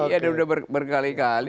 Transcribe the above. iya dan sudah berkali kali